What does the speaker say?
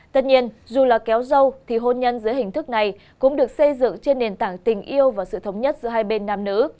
tất nhiên dù là kéo dâu thì hôn nhân giữa hình thức này cũng được xây dựng trên nền tảng tình yêu và sự thống nhất giữa hai bên nam nữ